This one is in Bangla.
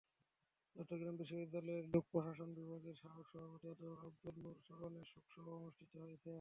চট্টগ্রাম বিশ্ববিদ্যালয়ের লোকপ্রশাসন বিভাগের সাবেক সভাপতি অধ্যাপক আবদুন নূর স্মরণে শোকসভা অনুষ্ঠিত হয়েছে।